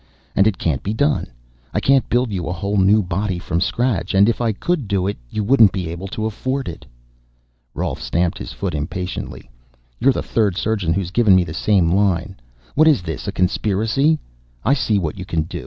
And it can't be done. I can't build you a whole new body from scratch, and if I could do it you wouldn't be able to afford it." Rolf stamped his foot impatiently. "You're the third surgeon who's given me the same line. What is this a conspiracy? I see what you can do.